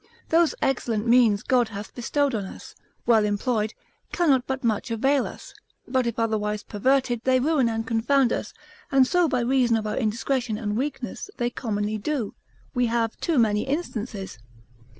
Those excellent means God hath bestowed on us, well employed, cannot but much avail us; but if otherwise perverted, they ruin and confound us: and so by reason of our indiscretion and weakness they commonly do, we have too many instances.